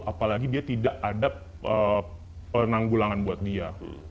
apalagi dia tidak ada penanggulangan buat dia